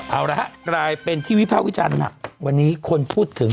เอาล่ะกลายเป็นที่วิพาควิจันทร์น่ะวันนี้ควรพูดถึง